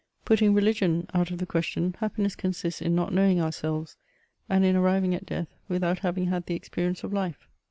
Putting religion out of the question, happiness consists in not knowing ourselves, and in arriving at death without having had the experience of life.